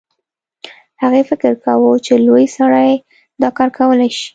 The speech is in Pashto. هغې فکر کاوه چې لوی سړی دا کار کولی شي